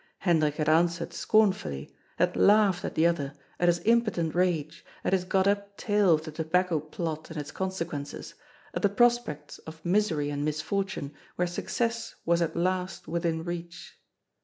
Hendrik had answered scorn fully, had laughed at the other, at his impotent rage, at his got up tale of the Tobacco Plot and its consequences, at the prospects of misery and misfortune, where success was at last within reach.